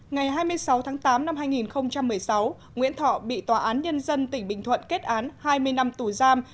ngày hai mươi sáu tháng tám năm hai nghìn một mươi sáu nguyễn thọ bị tòa án nhân dân tỉnh bình thuận kết án hai mươi năm tù giam